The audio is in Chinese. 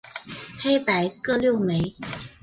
黑白各六枚。